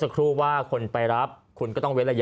ฟังเสียงคนที่ไปรับของกันหน่อย